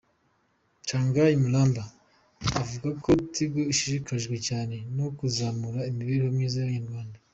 Tongai Maramba avuga ko Tigo ishishikajwe cyane no kuzamura imibereho myiza mu banyarwanda.